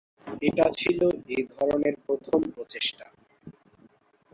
এটি ছিল এ ধরনের প্রথম প্রচেষ্টা।